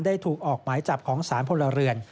ได้ถูกออกไหมจับของสารพลเรือน